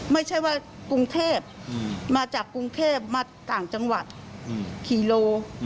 ไม่ใช่ว่ากรุงเทพมาจากกรุงเทพมาต่างจังหวัดกี่โล